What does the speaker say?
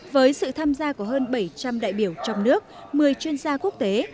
với sự tham gia của hơn bảy trăm linh đại biểu trong nước một mươi chuyên gia quốc tế